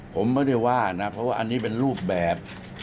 ผมไม่ได้ว่านะเพราะว่าอันนี้เป็นรูปแบบ